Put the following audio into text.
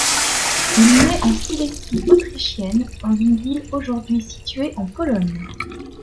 Il naît en Silésie autrichienne, dans une ville aujourd'hui située en Pologne.